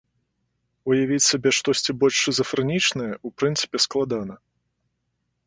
Уявіць сабе штосьці больш шызафрэнічнае ў прынцыпе складана.